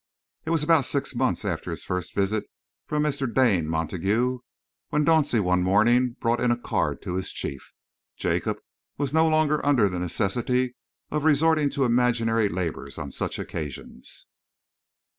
It was about six months after his first visit from Mr. Dane Montague, when Dauncey one morning brought in a card to his chief. Jacob was no longer under the necessity of resorting to imaginary labours on such occasions.